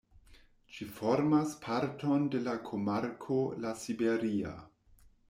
Ĝi formas parton de la komarko La Siberia.